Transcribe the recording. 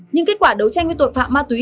nhưng kết quả đấu tranh với tội phạm ma túy